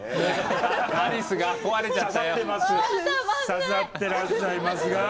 刺さってらっしゃいますが。